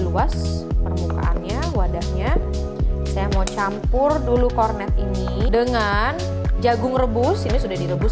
luas permukaannya wadahnya saya mau campur dulu kornet ini dengan jagung rebus ini sudah direbus